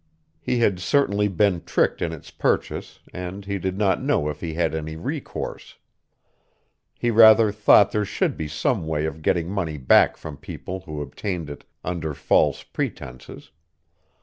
He had certainly been tricked in its purchase and he did not know if he had any recourse. He rather thought there should be some way of getting money back from people who obtained it under false pretenses.